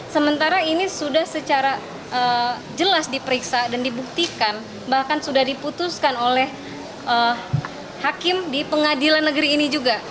sementara ini sudah secara jelas diperiksa dan dibuktikan bahkan sudah diputuskan oleh hakim di pengadilan negeri ini juga